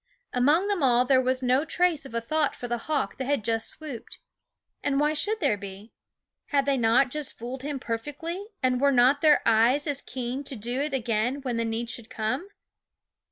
Among them all there was no trace of a thought for the hawk that had just swooped. And why should there be ? Had they not just fooled him perfectly, and were not their eyes as keen to do it again when the need should come